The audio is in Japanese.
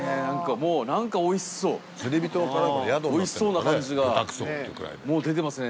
もう何かおいしそうおいしそうな感じがもう出てますね